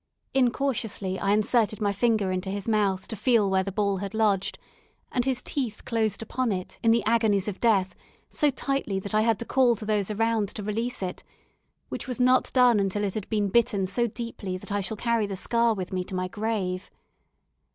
Incautiously I inserted my finger into his mouth to feel where the ball had lodged, and his teeth closed upon it, in the agonies of death, so tightly that I had to call to those around to release it, which was not done until it had been bitten so deeply that I shall carry the scar with me to my grave.